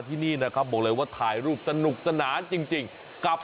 ที่นี่นะครับบอกเลยว่าถ่ายรูปสนุกสนานจริงกับ